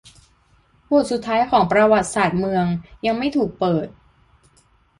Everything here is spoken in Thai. บทสุดท้ายของประวัติศาสตร์เมืองยังไม่ถูกเปิด